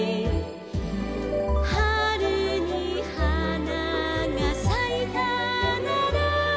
「はるにはながさいたなら」